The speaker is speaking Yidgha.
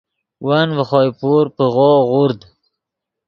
ون ڤے خوئے پور پیغو غورد